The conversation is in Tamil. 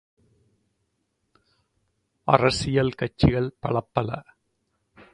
அரசியல் கட்சிகள் பலப்பல!